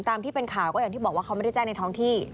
ตามที่เป็นข่าวก็อย่างที่บอกว่าเขาไม่ได้แจ้งในท้องที่